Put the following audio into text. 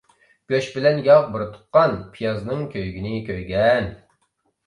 گۆش بىلەن ياغ بىر تۇغقان، پىيازنىڭ كۆيگىنى كۆيگەن.